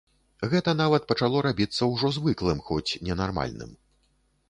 Гэта нават пачало рабіцца ўжо звыклым, хоць ненармальным.